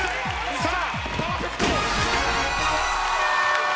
さあパーフェクトきたー！